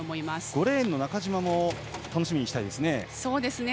５レーンの中島も楽しみにしたいですね。